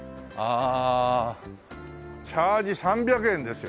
「チャージ３００ｙｅｎ」ですよ。